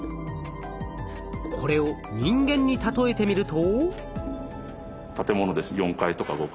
これを人間に例えてみると。